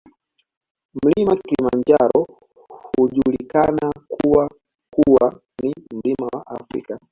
Mlima Kilimanjaro hujulikana kuwa kuwa ni mlima wa Afrika